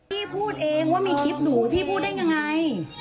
พี่พูดเองว่ามีคลิปหนูพี่พูดได้ยังไง